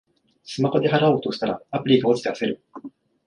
スマホで払おうとしたら、アプリが落ちて焦る